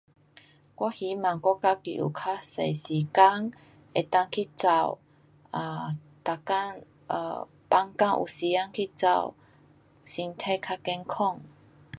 我希望我和你有较多时间可以去跑。每天放工有时间去跑，身体较健康。